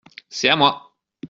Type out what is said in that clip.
C’est à moi.